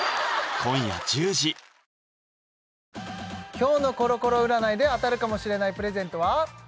今日のコロコロ占いで当たるかもしれないプレゼントは？